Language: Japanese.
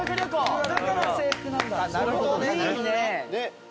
あっなるほどね。